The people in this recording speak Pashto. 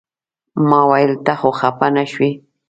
ما ویل ته خو خپه نه شوې.